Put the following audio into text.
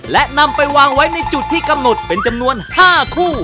และนำไปวางไว้ในจุดที่กำหนดเป็นจำนวน๕คู่